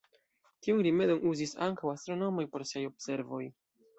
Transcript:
Tiun rimedon uzis ankaŭ astronomoj por siaj observoj.